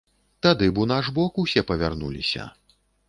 Тады б у наш бок усе павярнуліся.